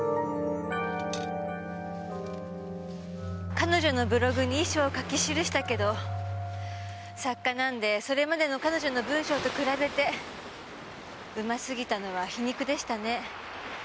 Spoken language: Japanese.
彼女のブログに遺書を書き記したけど作家なんでそれまでの彼女の文章と比べてうますぎたのは皮肉でしたね。